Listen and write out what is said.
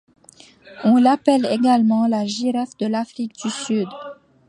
On l'appelle également la girafe de l'Afrique du Sud.